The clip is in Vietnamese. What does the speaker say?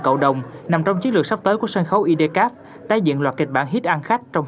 cậu đồng nằm trong chiến lược sắp tới của sân khấu idcap tái diễn loạt kịch bản hit ăn khách trong